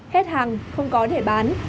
hết hàng không có thể bán